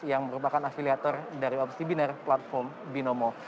yang merupakan afiliator dari opsi biner platform binomo